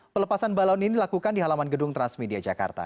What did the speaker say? pelepasan balon ini dilakukan di halaman gedung transmedia jakarta